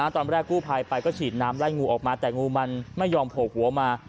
ตอนแรกกู้ภัยไปก็ฉีดน้ำไล่งูออกมาแต่งูมันไม่ยอมโผล่หัวมา